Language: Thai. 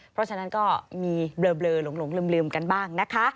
เพราะฉะนั้นก็มีเบลอหลงลืมกันบ้างนะคะ